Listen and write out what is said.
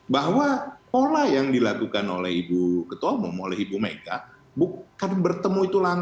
bahwa pola yang dilakukan oleh ibu ketomong oleh ibu mega bukan bertemu itu lantai